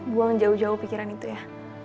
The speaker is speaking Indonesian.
buang jauh jauh pikiran itu ya